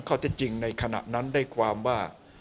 ข้อเท็จจริงในขณะนั้นได้ความว่า